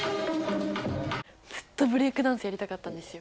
ずっとブレイクダンスやりたかったんですよ。